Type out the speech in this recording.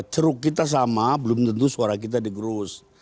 ceruk kita sama belum tentu suara kita digerus